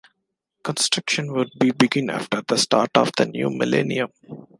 Construction would begin after the start of the new Millennium.